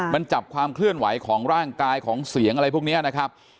มันจับความเคลื่อนไหวของร่างกายของเสียงอะไรพวกนี้นะครับ